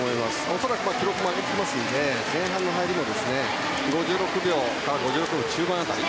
恐らく記録も出ますから前半の入りも５６秒から５６秒の中盤辺り。